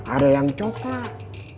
ada yang coklat